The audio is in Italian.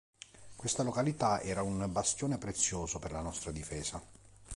Questa località era un bastione prezioso per la nostra difesa.